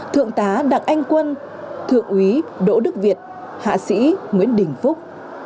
thượng tá đặng anh quân thượng úy đỗ đức việt hạ sĩ nguyễn đình phúc